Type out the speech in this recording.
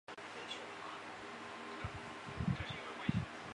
哈尔贝格莫斯是德国巴伐利亚州的一个市镇。